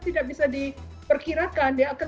tidak bisa diperkirakan dia akan